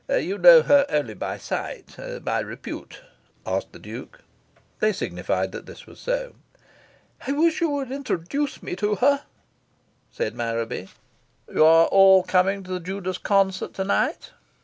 "You know her only by sight by repute?" asked the Duke. They signified that this was so. "I wish you would introduce me to her," said Marraby. "You are all coming to the Judas concert tonight?"